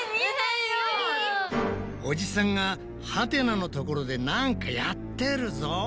おじさんがハテナのところでなんかやってるぞ。